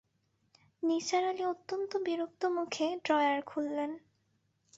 নিসার আলি অত্যন্ত বিরক্ত মুখে ড্রয়ার খুললেন।